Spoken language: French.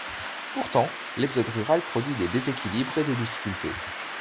Pourtant, l'exode rural produit des déséquilibres et des difficultés.